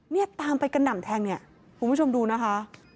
เนี่ยตามไปกระหน่ำแทงเนี่ยคุณผู้ชมดูนะคะ